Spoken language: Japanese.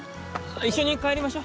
一緒に帰りましょ。